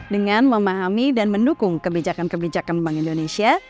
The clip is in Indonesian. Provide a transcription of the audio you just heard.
dengan memahami dan mendukung kebijakan kebijakan bank indonesia